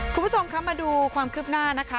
คุณผู้ชมคะมาดูความคืบหน้านะคะ